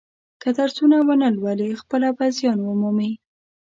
که درسونه و نه لولي خپله به زیان و مومي.